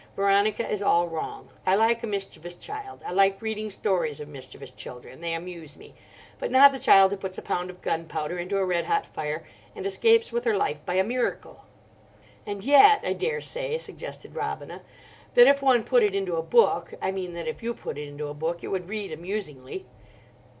Veronica is all wrong. I like a mischievous child. I like reading stories of mischievous children: they amuse me. But not the child who puts a pound of gunpowder into a red hot fire, and escapes with her life by a miracle." "And yet, I daresay," suggested Robina, "that if one put it into a book—I mean that if you put it into a book, it would read amusingly."